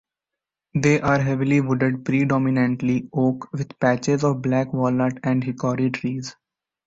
They are heavily wooded, predominantly oak, with patches of black walnut and hickory trees.